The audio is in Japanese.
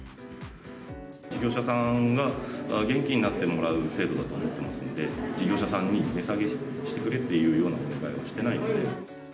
事業者さんが元気になってもらう制度だと思っていますので、事業者さんに値下げしてくれっていうようなお願いをしてないので。